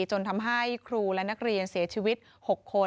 จนทำให้ครูและนักเรียนเสียชีวิต๖คน